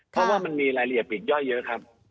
เพราะว่ามันมีรายละเอียดอีกย่อยเยอะครับ